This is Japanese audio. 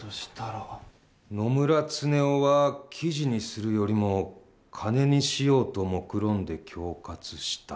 野村恒雄は記事にするよりも金にしようともくろんで恐喝した。